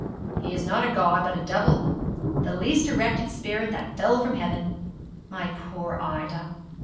'He is not a god, but a devil. "The least erected spirit that fell from heaven." My poor Ida!